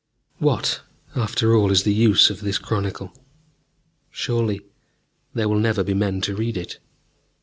... What, after all, is the use of this chronicle? Surely there will never be men to read it.